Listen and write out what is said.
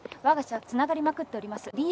わが社はつながりまくっております。